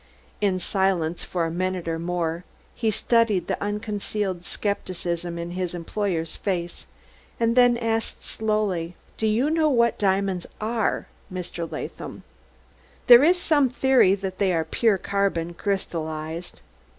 In silence, for a minute or more, he studied the unconcealed skepticism in his employer's face, and then asked slowly: "Do you know what diamonds are, Mr. Latham?" "There is some theory that they are pure carbon, crystallized."